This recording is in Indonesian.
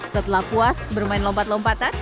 setelah puas bermain lompat lompatan